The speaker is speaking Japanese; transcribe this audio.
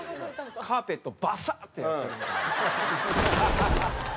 カーペットバサッてやってるみたいな。